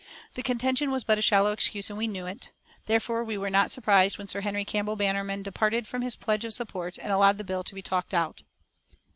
The contention was but a shallow excuse, and we knew it. Therefore we were not surprised when Sir Henry Campbell Bannerman departed from his pledge of support, and allowed the bill to be talked out.